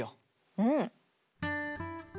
うん。